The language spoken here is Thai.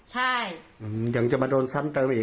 ใช่ยังจะมาโดนซ้ำเติมอีก